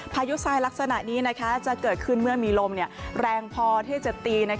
พายุทรายลักษณะนี้จะเกิดขึ้นเมื่อมีลมแรงพอที่จะตี